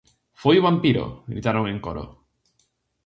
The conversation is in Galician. Foi o vampiro! -gritaron en coro.